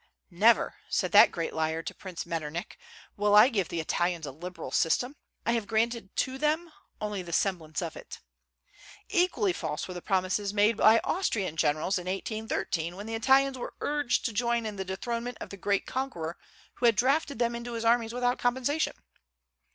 "Never," said that great liar to Prince Metternich, "will I give the Italians a liberal system: I have granted to them only the semblance of it." Equally false were the promises made by Austrian generals in 1813, when the Italians were urged to join in the dethronement of the great conqueror who had drafted them into his armies without compensation.